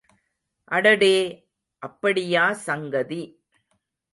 அடடே அப்படியா சங்கதி.